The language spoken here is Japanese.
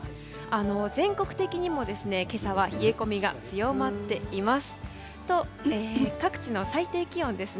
全国的にも今朝は冷え込みが強まっています。